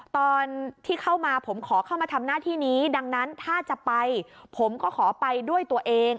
ตอนที่เข้ามาผมขอเข้ามาทำหน้าที่นี้ดังนั้นถ้าจะไปผมก็ขอไปด้วยตัวเอง